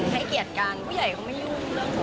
ให้เกียจกันผู้ใหญ่เขาไม่ยุ่ง